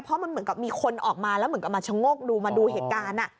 เพราะมันเหมือนกับมีคนออกมาแล้วเหมือนกับมาชะโงกดูมาดูเหตุการณ์